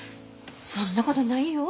そんなことないよ。